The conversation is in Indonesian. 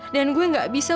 dan gue enggak bisa